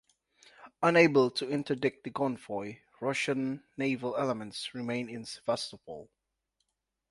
Unable to interdict the convoy, Russian naval elements remained in Sevastopol.